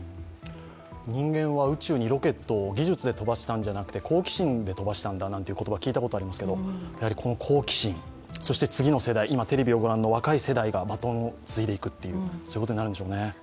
人間は宇宙にロケットを技術で飛ばしたんじゃなくて好奇心で飛ばしたんだなんていう言葉を聞いたことがありますけれども、この好奇心、次の世代、今のテレビを御覧の若い世代がバトンを継いでいくことになるんでしょうね。